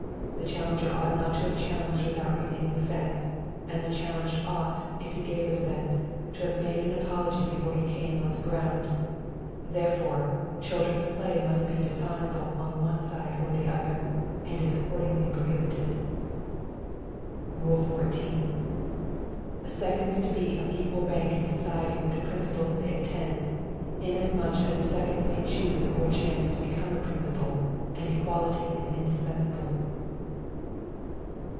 The challenger ought not to have challenged without receiving offence; and the challenged ought, if he gave offence, to have made an apology before he came on the ground: therefore, children's play must be dishonorable on one side or the other, and is accordingly prohibited. "Rule 14. Seconds to be of equal rank in society with the principals they attend, inasmuch as a second may choose or chance to become a principal, and equality is indispensable.